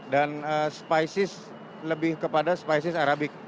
dan spices lebih kepada spices arabic